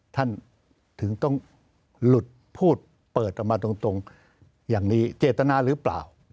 ท่านถึงต้องหลุดพูดเปิดออกมาตรงอย่างนี้เจตนาหรือเปล่า